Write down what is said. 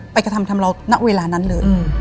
กระทำทำเราณเวลานั้นเลย